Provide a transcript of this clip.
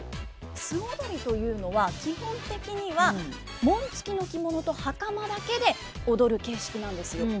素踊りというのは基本的には紋付きの着物と袴だけで踊る形式なんですよ。